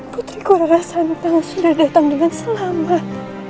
putriku rara santang sudah datang dengan selamat